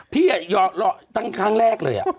พี่อ่ะตั้งครั้งแรกเลยอะ